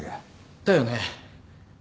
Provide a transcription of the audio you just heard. だよね。